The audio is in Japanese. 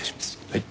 はい。